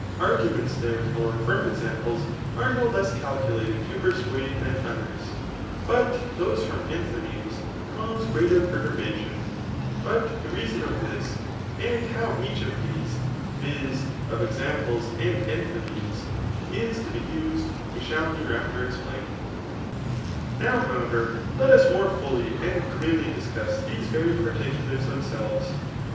Arguments, therefore, from examples are no l^s cakuiated to persuade (^thaa others,] but those from enthymemes cause greater perturbation. But the rascm of tfaii^ and htniir eich of those [viz. of exam* pies and entbymeities] is to be tned, y0e shall hereafter explain. Kov, howeya*, let us mone felly and dearly djscuss these very paorticulars themselves.